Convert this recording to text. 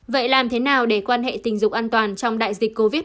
vậy làm thế nào để quan hệ tình dục an toàn trong đại dịch covid một mươi chín